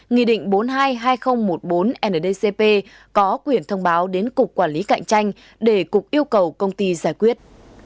nghị định bốn mươi hai hai nghìn một mươi bốn ndcp có quyền thông báo đến cục quản lý cạnh tranh để cục yêu cầu công ty giải quyết